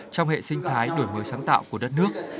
trong hệ sinh thái đổi mới sáng tạo của đất nước